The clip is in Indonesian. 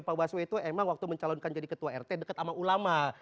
pak baswe itu emang waktu mencalonkan jadi ketua rt deket sama ulama